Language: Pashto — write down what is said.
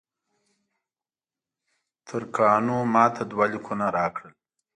ترکانو ماته دوه لیکونه راکړل.